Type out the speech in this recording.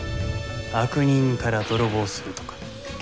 悪人から泥棒するとか。